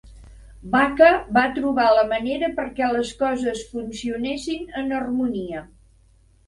Baca va trobar la manera perquè les coses funcionessin en harmonia.